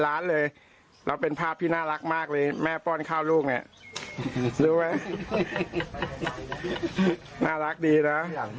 ร้านเลยแล้วเป็นภาพที่น่ารักมากเลยแม่ป้อนข้าวลูกเนี่ยรู้ไหมน่ารักดีนะอยาก